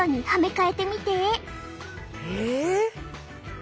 え！